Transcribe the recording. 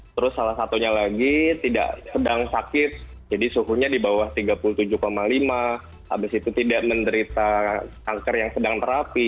terus salah satunya lagi tidak sedang sakit jadi suhunya di bawah tiga puluh tujuh lima habis itu tidak menderita kanker yang sedang terapi